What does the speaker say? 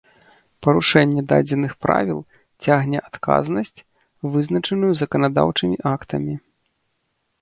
Парушэнне дадзеных Правіл цягне адказнасць, вызначаную заканадаўчымі актамі